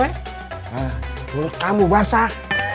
menurut kamu basah